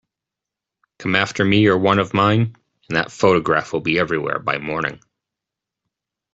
Come after me or one of mine, and that photograph will be everywhere by morning.